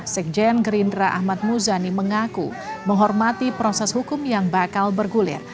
sekjen gerindra ahmad muzani mengaku menghormati proses hukum yang bakal bergulir